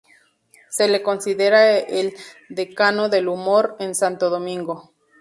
Se le considera el decano del humor en Santo Domingo.